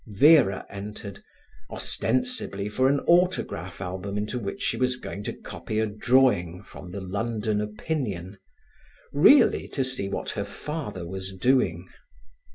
Vera entered, ostensibly for an autograph album into which she was going to copy a drawing from the London Opinion, really to see what her father was doing.